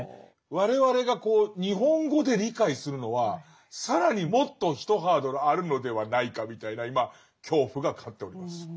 我々が日本語で理解するのは更にもっとひとハードルあるのではないかみたいな今恐怖が勝っております。